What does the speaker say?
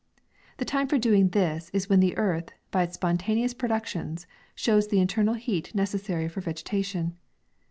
The time for doing this is when the earth, by its spontaneous productions, shows the internal heat necessary for vege tation.